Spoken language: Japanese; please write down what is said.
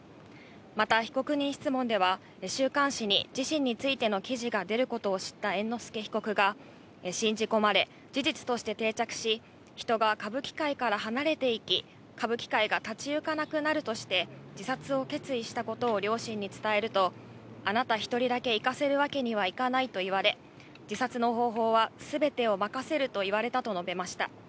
また被告人質問では、週刊誌に自身についての記事が出ることを知った猿之助被告が、信じ込まれ、事実として定着し、人が歌舞伎界から離れていき、歌舞伎界が立ち行かなくなるとして、自殺を決意したことを両親に伝えると、あなた一人だけいかせるわけにはいかないと言われ、自殺の方法はすべてを任せると言われたと述べました。